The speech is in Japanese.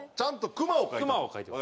クマを描いてます。